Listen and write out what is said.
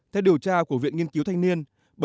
theo điều tra của viện nghiên cứu thanh niên